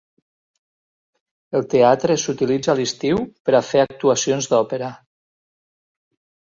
El teatre s'utilitza a l'estiu per a fer actuacions d'òpera.